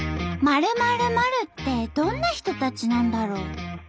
○○○ってどんな人たちなんだろう？